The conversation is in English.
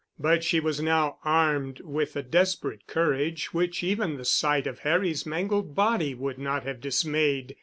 But she was now armed with a desperate courage which even the sight of Harry's mangled body would not have dismayed.